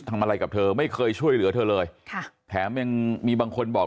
ทำอะไรกับเธอไม่เคยช่วยเหลือเธอเลยค่ะแถมยังมีบางคนบอก